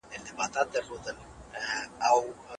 د پښتورګو ساتنې لپاره اوبه ډيرې وڅښه